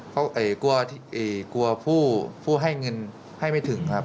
กลัวผู้ให้เงินได้ไม่ถึงครับ